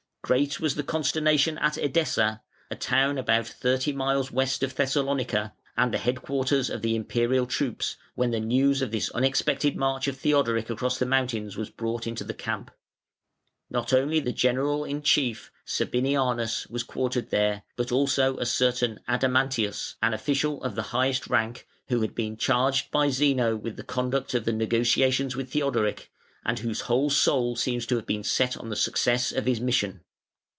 Great was the consternation at Edessa (a town about thirty miles west of Thessalonica and the headquarters of the Imperial troops) when the news of this unexpected march of Theodoric across the mountains was brought into the camp. Not only the general in chief, Sabinianus, was quartered there, but also a certain Adamantius, an official of the highest rank, who had been charged by Zeno with the conduct of the negotiations with Theodoric, and whose whole soul seems to have been set on the success of his mission.